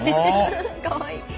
かわいい。